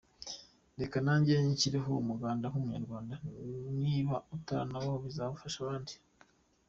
Reka nanjye nshyireho umuganda nk’umunyarwanda niba atanabaho bizafasha abandi.